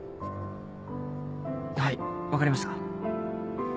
はい分かりました。